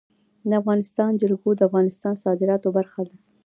د افغانستان جلکو د افغانستان د صادراتو برخه ده.